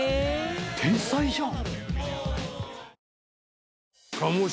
天才じゃん！